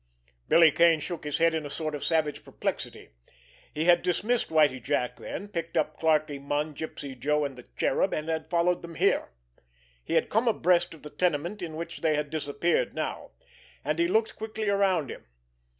Billy Kane shook his head in a sort of savage perplexity. He had dismissed Whitie Jack then, picked up Clarkie Munn, Gypsy Joe and the Cherub, and had followed them here. He had come abreast of the tenement in which they had disappeared now, and he looked quickly around him.